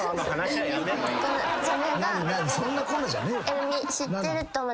そんな粉じゃねえわ。